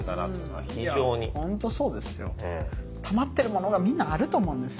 たまってるものがみんなあると思うんですよね。